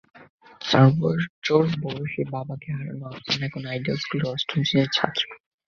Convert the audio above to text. চার বছর বয়সেই বাবাকে হারানো আফসানা এখন আইডিয়াল স্কুলের অষ্টম শ্রেণির ছাত্রী।